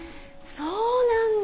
そうなんだ。